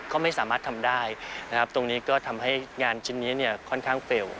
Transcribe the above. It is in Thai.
ก็ไม่สามารถทำได้นะครับตรงนี้ก็ทำให้งานชิ้นนี้เนี่ยค่อนข้างเฟลล์